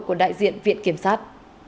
của đại diện viện kiểm sát